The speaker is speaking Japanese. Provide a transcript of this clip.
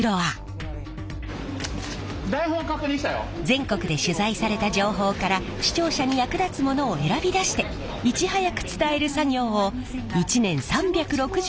全国で取材された情報から視聴者に役立つものを選び出していち早く伝える作業を一年３６５日行っています。